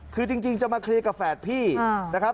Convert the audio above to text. คือจริงจะมาเคลียร์กับแฝดพี่นะครับ